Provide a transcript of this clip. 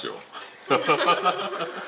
ハハハハハ。